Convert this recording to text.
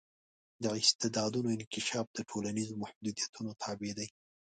د استعدادونو انکشاف د ټولنیزو محدودیتونو تابع دی.